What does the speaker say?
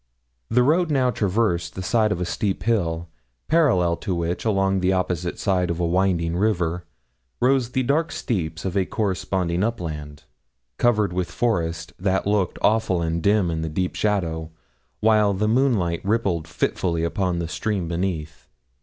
The road now traversed the side of a steep hill, parallel to which, along the opposite side of a winding river, rose the dark steeps of a corresponding upland, covered with forest that looked awful and dim in the deep shadow, while the moonlight rippled fitfully upon the stream beneath.